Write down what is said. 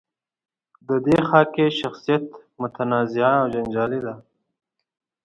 د دې خاکې شخصیت متنازعه او جنجالي دی.